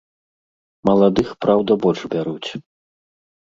Маладых, праўда, больш бяруць.